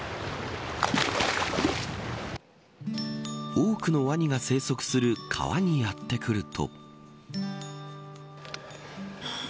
多くのワニが生息する川にやって来ると。